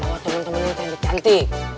bawa temen temen yang cantik cantik